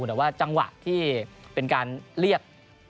แต่ว่าจังหวะที่เป็นการเรียก